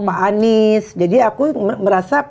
pak anies jadi aku merasa